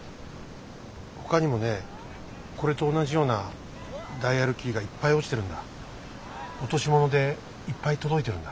ほかにもねこれと同じようなダイヤルキーがいっぱい落ちてるんだ。